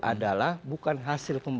adalah bukan hasil pembunuhnya